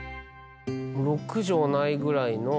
６畳ないぐらいの。